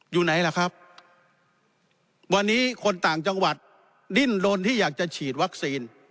อยู่ไหนล่ะครับวันนี้คนต่างจังหวัดดิ้นลนที่อยากจะฉีดวัคซีน